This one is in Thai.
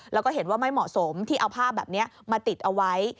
แล้วก็เห็นว่าไม่เหมาะสมที่เอาภาพแบบนี้มาติดเอาไว้